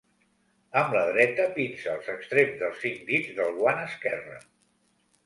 Amb la dreta pinça els extrems dels cinc dits del guant esquerre.